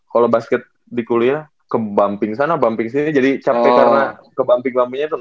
kalau basket di kuliah ke bumping sana bumping sini jadi capek karena ke bumping bumpingnya tuh